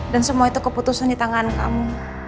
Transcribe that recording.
dan semua itu keputusan di tangan kamu